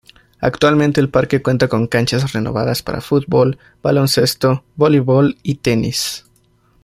Actualmente el parque cuenta con canchas renovadas para fútbol, baloncesto, voleibol y tenis.